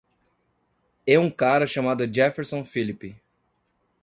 E um cara chamado Jefferson Phillip.